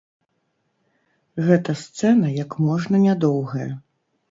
Гэта сцэна як можна нядоўгая.